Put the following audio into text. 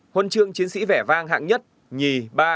huân chương chiến sĩ vẻ vang hạng nhất nhì ba